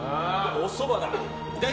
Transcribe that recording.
おそばだ。